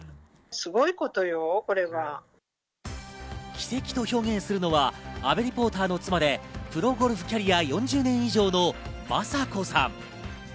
奇跡と表現するのは阿部リポーターの妻でプロゴルフキャリア４０年以上のまさ子さん。